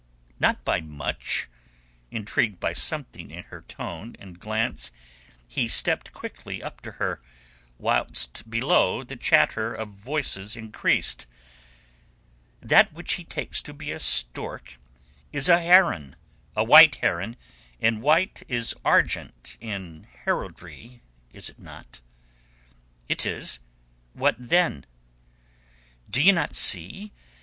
Not by much?" Intrigued by something in her tone and glance, he stepped quickly up to her, whilst below the chatter of voices increased. "That which he takes to be a stork is a heron—a white heron, and white is argent in heraldry, is't not?" "It is. What then?" "D'ye not see?